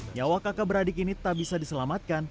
nyawa kakak beradik ini tak bisa diselamatkan